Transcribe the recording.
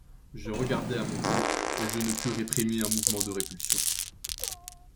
Je regardai à mon tour, et je ne pus réprimer un mouvement de répulsion.